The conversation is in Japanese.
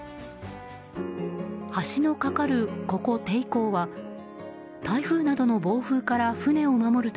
橋の架かる、ここ手結港は台風などの暴風から船を守る